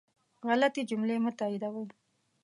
غلطي جملې مه تائیدوئ